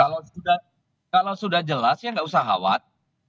kalau sudah jelas ya tidak usah khawat